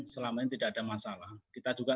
selama ini tidak ada masalah kita juga